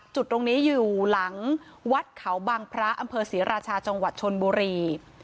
จุดตรงนี้อยู่หลังวัดเขาบังพระอำเภอศรีราชาจังหวัดชนบุรี